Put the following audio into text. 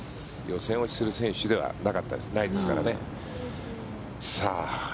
予選落ちする選手ではなかったですからね。